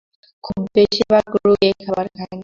তবু বেশির ভাগ রোগী এই খাবার খায় না।